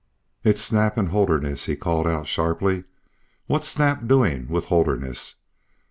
"It's Snap and Holderness," he called out, sharply. "What's Snap doing with Holderness?